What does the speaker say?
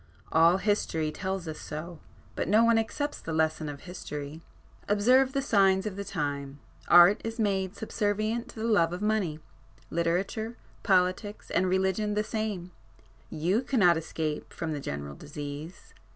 All history tells us so, but no one accepts the lesson of history. Observe the signs of the time,—Art is made subservient to the love of money—literature, politics and religion the same,—you cannot escape from the general disease.